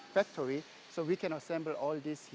jadi kami bisa menggabungkan semua ini